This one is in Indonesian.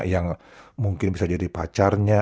yang mungkin bisa jadi pacarnya